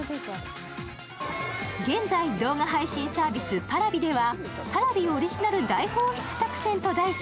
現在、動画配信サービスＰａｒａｖｉでは、「Ｐａｒａｖｉオリジナル大放出作戦」と題し